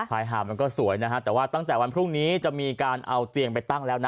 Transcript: หาดมันก็สวยนะฮะแต่ว่าตั้งแต่วันพรุ่งนี้จะมีการเอาเตียงไปตั้งแล้วนะ